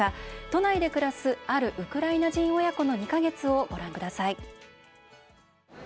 都内で暮らすあるウクライナ人親子の２か月をご覧ください。